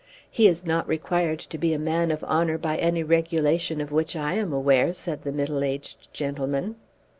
"He is not required to be a man of honour by any regulation of which I am aware," said the middle aged gentleman.